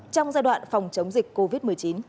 trong giai đoạn phòng chống dịch covid một mươi chín